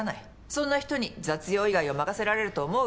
そんな人に雑用以外を任せられると思う？